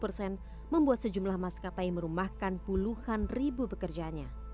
dua puluh persen membuat sejumlah maskapai merumahkan puluhan ribu pekerjanya